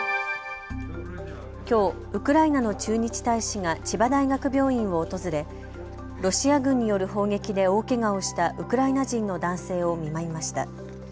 きょうウクライナの駐日大使が千葉大学病院を訪れロシア軍による砲撃で大けがをしたウクライナ人の男性を見舞いました。